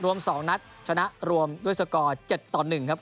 รวม๒นัดชนะรวมด้วยสกอร์๗ต่อ๑ครับ